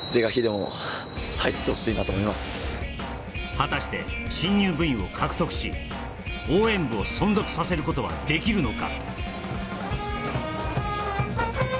果たして新入部員を獲得し応援部を存続させることはできるのか